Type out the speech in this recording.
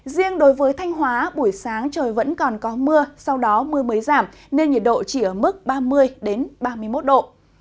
riêng đối với thanh hóa buổi sáng trời vẫn còn có mưa sau đó mưa mới giảm nên nhiệt độ chỉ ở mức ba mươi ba mươi một độ